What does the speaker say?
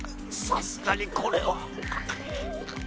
さすがにこれは。